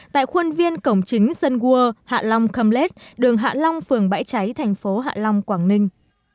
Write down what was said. tại khuôn viên cổng chính sơn gua hạ long khâm lết đường hạ long phường bãi cháy thành phố hạ long quảng ninh